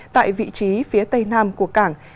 tại vị trí phía tây nam của cảng